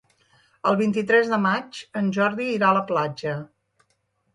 El vint-i-tres de maig en Jordi irà a la platja.